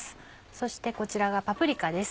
そしてこちらがパプリカです。